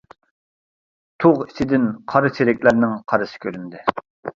تۇغ ئىچىدىن قارا چېرىكلەرنىڭ قارىسى كۆرۈندى.